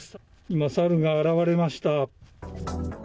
今、サルが現れました。